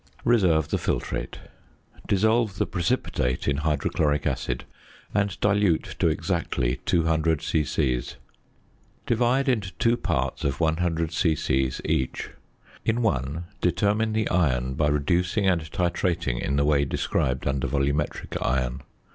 Reserve the filtrate. Dissolve the precipitate in hydrochloric acid, and dilute to exactly 200 c.c. Divide into two parts of 100 c.c. each. In one determine the iron by reducing and titrating in the way described under volumetric iron.